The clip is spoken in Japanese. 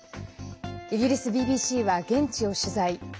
イギリスＢＢＣは現地を取材。